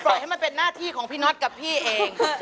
ให้มันเป็นหน้าที่ของพี่น็อตกับพี่เอง